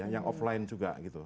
yang offline juga gitu